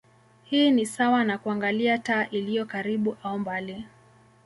Hii ni sawa na kuangalia taa iliyo karibu au mbali.